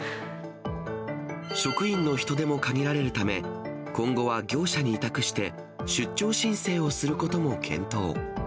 職員の人手も限られるため、今後は業者に委託して、出張申請をすることも検討。